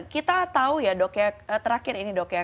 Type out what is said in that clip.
kita tahu ya dok ya terakhir ini dok ya